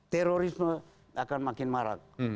terorisme akan makin marak